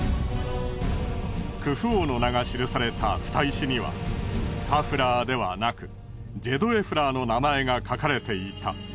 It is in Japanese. クフ王の名が記されたふた石にはカフラーではなくジェドエフラーの名前が書かれていた。